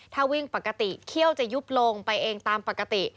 ถ้าวิ่งปกติเขี้ยวจะยุบลงไปเองตามปกติ